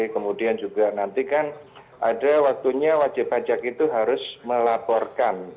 kemudian juga nanti kan ada waktunya wajib pajak itu harus melaporkan